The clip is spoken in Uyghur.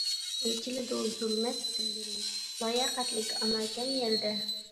ئېچىلىدۇ زۇلمەت گۈللىرى، لاياقەتلىك ئانا كەم يەردە.